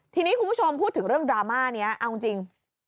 ทีนี้คุณผู้ชมพูดถึงเรื่องดราม่านี้เอาจริง